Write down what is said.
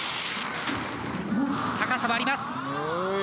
高さはあります！